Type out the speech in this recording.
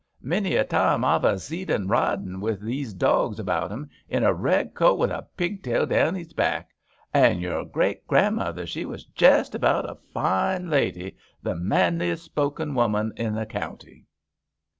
Many a time I've a zeed 'un, riding wi' 'ees dogs about 'un, in a red coat, wi' a pigtail down 'ees back. An' your great grandmother, she was jest about a fine lady ; the manliest spoken women i' the county."